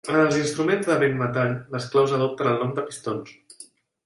En els instruments de vent-metall, les claus adopten el nom de pistons.